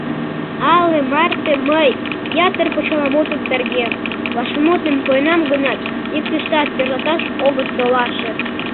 Але марте мый, ятыр почеламутым терген, вашмутым пуэнам гынат, иктыштат тӧрлаташ огыт толаше.